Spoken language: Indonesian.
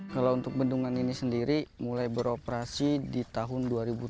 kalau untuk bendungan ini sendiri mulai beroperasi di tahun dua ribu tujuh belas